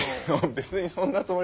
別にそんなつもりじゃ。